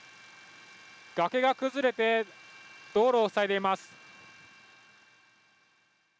がけが崩れて道路をふさいでいます。